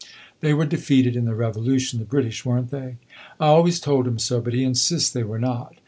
They were defeated in the Revolution, the British, were n't they? I always told him so, but he insists they were not.